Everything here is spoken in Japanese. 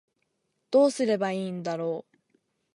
どうすればいいんだろう